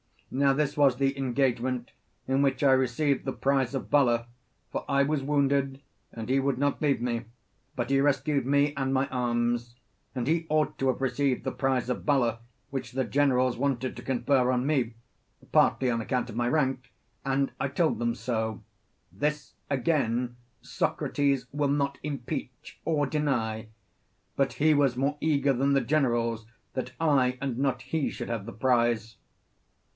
Now this was the engagement in which I received the prize of valour: for I was wounded and he would not leave me, but he rescued me and my arms; and he ought to have received the prize of valour which the generals wanted to confer on me partly on account of my rank, and I told them so, (this, again, Socrates will not impeach or deny), but he was more eager than the generals that I and not he should have the prize.